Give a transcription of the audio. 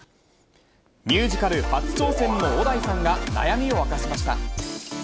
ミュージカル初挑戦の小田井さんが、悩みを明かしました。